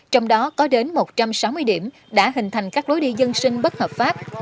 trong đó có đến một trăm sáu mươi điểm đã hình thành các lối đi dân sinh bất hợp pháp